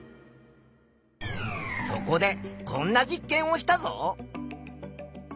そこでこんな実験をしたぞ。